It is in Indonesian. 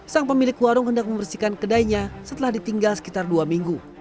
sang pemilik warung hendak membersihkan kedainya setelah ditinggal sekitar dua minggu